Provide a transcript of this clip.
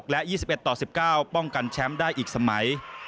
และ๒๑ต่อ๑๙ป้องกันแชมป์ได้อีกสมัย